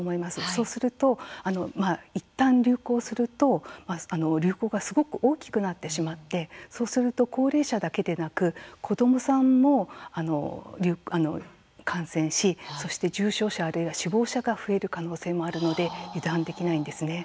そうするといったん流行すると流行がすごく大きくなってしまってそうすると、高齢者だけでなく子どもさんも感染し、そして重症者あるいは死亡者が増える可能性もあるので油断できないんですね。